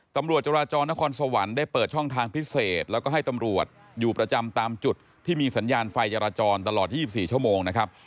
ตำรวจจราจรนครสวรรค์ได้เปิดช่องทางพิเศษแล้วก็ให้ตำรวจอยู่ประจำตามจุดที่มีสัญญาณไฟจราจรตลอด๒๔ชั่วโมงนะครับ